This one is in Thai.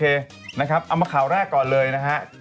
เอามาข่าวแรกก่อนเลยนะฮะ